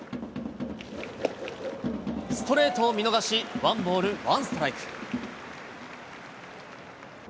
ストレートを見逃しワンボールワンストライク。